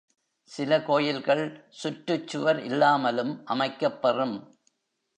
சில கோயில்கள் சுற்றுச் சுவர் இல்லாமலும் அமைக்கப் பெறும்.